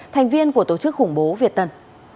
thành viên của tổ chức khủng bố việt tân